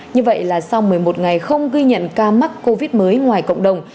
như vậy là sau một mươi một ngày không ghi nhận ca mắc covid mới ngoài cộng đồng